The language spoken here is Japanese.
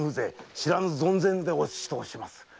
知らぬ存ぜぬで押し通します。